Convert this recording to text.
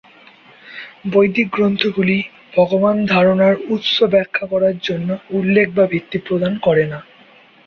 বৈদিক গ্রন্থগুলি ভগবান ধারণার উৎস ব্যাখ্যা করার জন্য উল্লেখ বা ভিত্তি প্রদান করে না।